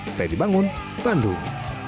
fredy bangun bandung